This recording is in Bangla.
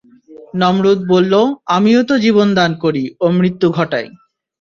নমরূদ বলল, আমিও তো জীবন দান করি ও মৃত্যু ঘটাই।